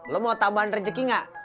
lu mau tambahan rejeki nggak